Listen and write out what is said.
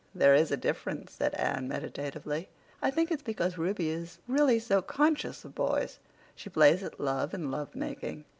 "There is a difference," said Anne meditatively. "I think it's because Ruby is really so conscious of boys. She plays at love and love making.